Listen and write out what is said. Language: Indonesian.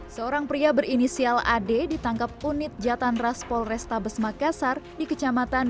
seorang pria berinisial ade ditangkap unit jatan raspol restabes makassar di kecamatan